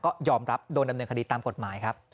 ก็ยอมรับโดนดำเนินคดีตามกฎหมายครับ